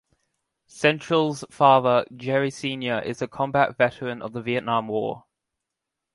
Cantrell's father, Jerry Senior is a combat veteran of the Vietnam War.